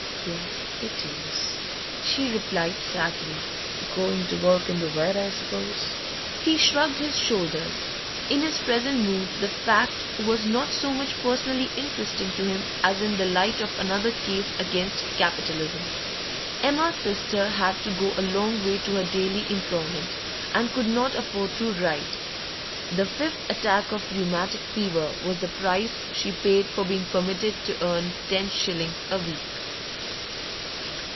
'Yes, it is,' she replied sadly. 'Going to work in the wet, I suppose?' He shrugged his shoulders; in his present mood the fact was not so much personally interesting to him as in the light of another case against capitalism. Emma's sister had to go a long way to her daily employment, and could not afford to ride; the fifth attack of rheumatic fever was the price she paid for being permitted to earn ten shillings a week.